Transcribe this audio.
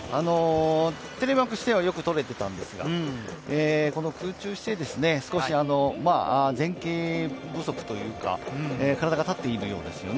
テレマーク姿勢はよくとれていたんですがこの空中姿勢ですね、少し前傾不足というか体が立っているようですよね。